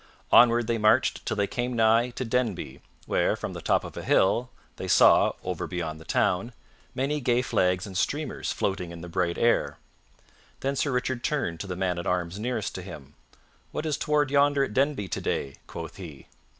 Onward they marched till they came nigh to Denby, where, from the top of a hill, they saw, over beyond the town, many gay flags and streamers floating in the bright air. Then Sir Richard turned to the man at arms nearest to him. "What is toward yonder at Denby today?" quoth he.